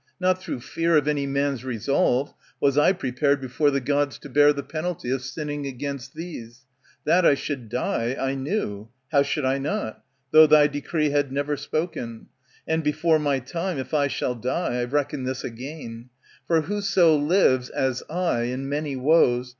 Not through fear rOf any man's resolve was I prepared I I Before the Gods to bear the penalty jOf sinning against these. That I should die jl knew, (how should I not?) though thy decree * Had never spoken. And, before my time If I shall die, I reckon this a gain ; For whoso lives, as I, in many woes.